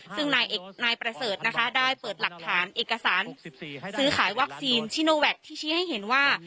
ซึ่งนายนายนะคะได้เปิดหลักฐานเอกสารซื้อขายวัคซีนที่ชี้ให้เห็นว่า